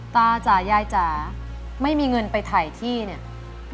จ๋ายายจ๋าไม่มีเงินไปถ่ายที่เนี่ย